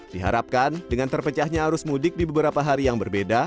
diharapkan dengan terpecahnya arus mudik di beberapa hari yang berbeda